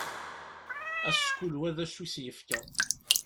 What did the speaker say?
Ass kul wa d acu i s-yefka.